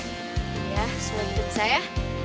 iya semua gitu bisa ya